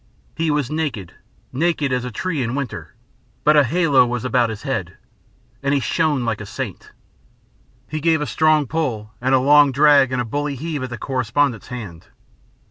He was naked, naked as a tree in winter, but a halo was about his head, and he shone like a saint. He gave a strong pull, and a long drag, and a bully heave at the correspondent's hand.